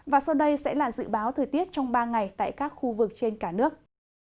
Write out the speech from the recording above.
và sau đây sẽ là dự báo thời tiết trong ba ngày tại các khu vực trên cả nước